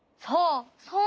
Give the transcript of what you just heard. そう！